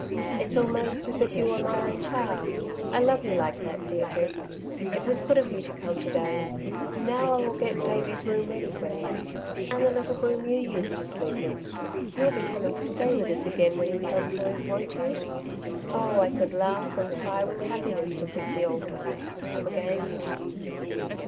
"It's almost as if you were my own child. I love you like that, Deirdre. It was good of you to come to day. Now I will get Davey's room ready for him ... and the little room you used to sleep in. You'll be coming to stay with us again when he comes home, won't you? Oh, I could laugh and cry with happiness to think the old times will come again."